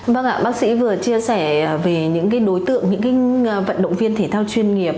vâng ạ bác sĩ vừa chia sẻ về những đối tượng những vận động viên thể thao chuyên nghiệp